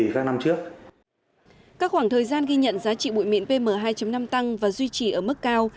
các khoảng thời gian ghi nhận giá trị bụi mịn pm hai năm tăng và duy trì ở mức cao